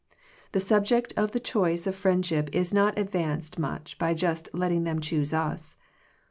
The subject of the choice of friendship is not advanced much by just letting them choose us.